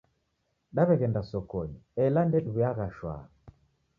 Daw'eghenda sokonyi, ela ndediw'uyagha shwaa.